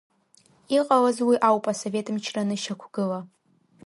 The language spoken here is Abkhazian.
Иҟалаз уи ауп Асовет мчра анышьақәгыла.